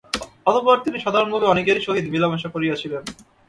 অতঃপর তিনি সাধারণভাবে অনেকেরই সহিত মেলামেশা করিয়াছিলেন।